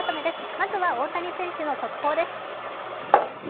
まずは、大谷選手の速報です。